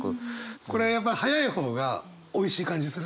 これやっぱ速い方がおいしい感じするね。